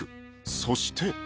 そして